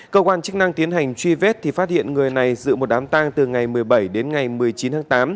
cơ quan chức năng tiến hành truy vết thì phát hiện người này dự một đám tang từ ngày một mươi bảy đến ngày một mươi chín tháng tám